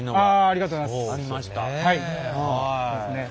ありがとうございます。